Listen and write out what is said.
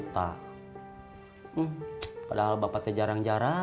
hah bang hebat banget